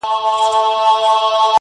مُلا هم سو پکښي سپور په جګه غاړه.!